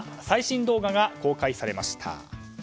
最新動画が公開されました。